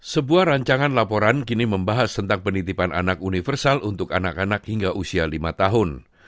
sebuah rancangan laporan kini membahas tentang penitipan anak universal untuk anak anak hingga usia lima tahun